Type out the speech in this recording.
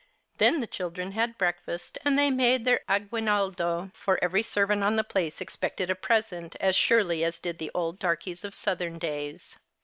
Then the children had breakfast and they made their aguinaldo, for every servant on the place expected a present as surely as did the old darkies of Southern days.